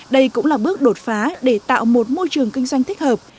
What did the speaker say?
đây cũng là bước đột phá để tạo một môi trường kinh doanh thích hợp